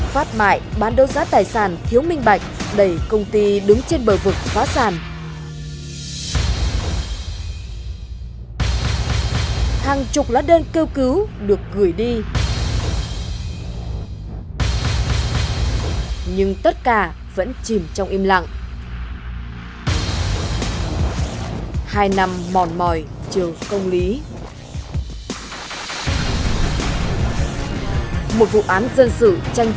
phát mại bán đấu giá tài sản thiếu minh bạch đẩy công ty đứng trên bờ vực phá sản